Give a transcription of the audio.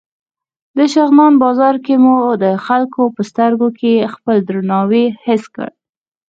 د شغنان بازار کې مو د خلکو په سترګو کې خپل درناوی حس کړ.